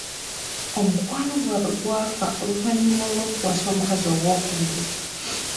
Omukwano gwabwe gwafa oluvannyuma lw'okuwasa omukazi owookubiri.